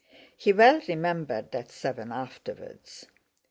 He well remembered that seven afterwards.